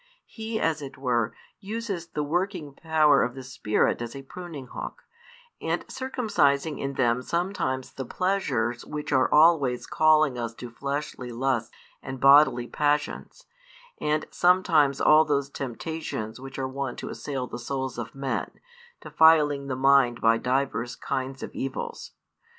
He, as it were, uses the working power of the Spirit as a pruning hook, and circumcising in them sometimes the pleasures which are always calling us to fleshly lusts and bodily passions, and sometimes all those temptations which are wont to assail the souls of men, defiling the mind by divers kinds of evils.